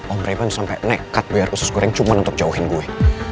om revan sampai nekat bayar khusus goreng cuman untuk jauhin gue